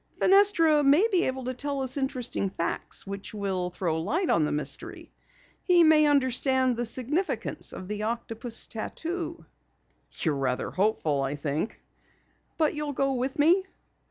"Fenestra may be able to tell us interesting facts which will throw light on the mystery. He may understand the significance of the octopus tattoo." "You're rather hopeful, I think." "But you'll go with me?"